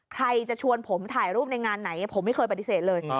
ใครจะชวนผมถ่ายรูปในงานไหนผมไม่เคยปฏิเสธเลย